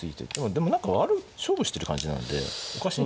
でも何か勝負してる感じなんでおかしいんだよね。